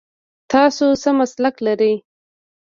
تاسو څه مسلک لرئ ؟